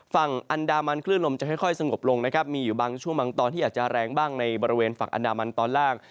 ฝั่งอันดามันคลื่นลมจะค่อยสงบลงนะครับมีอยู่บางช่วงบางตอนที่อาจจะแรงบ้างในบริเวณฝั่งอันดามันตอนล่าง